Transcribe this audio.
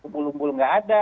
bulu bulu nggak ada